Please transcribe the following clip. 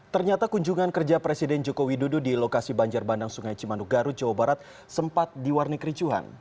ternyata kunjungan kerja presiden jokowi dudu di lokasi banjir bandang sungai cimanugaru jawa barat sempat diwarni kericuhan